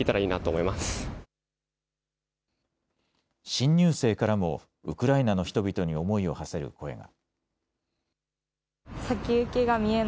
新入生からもウクライナの人々に思いをはせる声が。